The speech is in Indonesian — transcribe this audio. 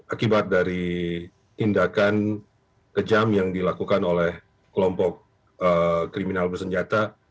akibat dari tindakan kejam yang dilakukan oleh kelompok kriminal bersenjata